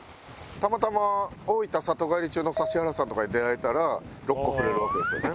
たまたま大分里帰り中の指原さんとかに出会えたら６個振れるわけですよね。